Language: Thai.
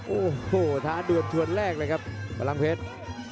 โอ้โหท้าด่วนชวนแรกเลยครับพลังเพชร